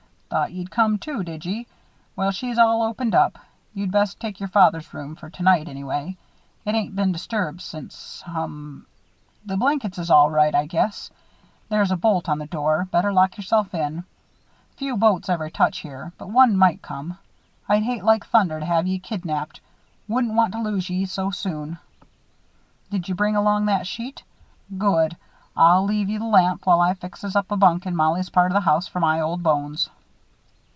"Thought ye'd come, too, did ye! Well, she's all opened up. You'd best take your father's room for tonight, anyway. It ain't been disturbed since hum! The blankets is all right, I guess. There's a bolt on the door better lock yourself in. Few boats ever touches here, but one might come. I'd hate like thunder to have ye kidnapped wouldn't want to lose ye so soon. Did you bring along that sheet? Good. I'll leave you the lamp while I fixes up a bunk in Mollie's part of the house for my old bones."